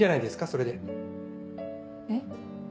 それで。えっ？